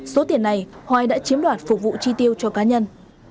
số tiền này hoài đã chiếm đoạt phục vụ chi tiêu cho cá nhân